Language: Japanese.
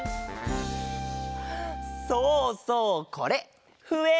そうそうこれふえ！